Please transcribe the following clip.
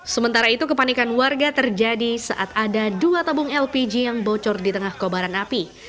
sementara itu kepanikan warga terjadi saat ada dua tabung lpg yang bocor di tengah kobaran api